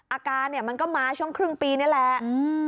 อาการเนี่ยมันก็มาช่วงครึ่งปีนี่แหละ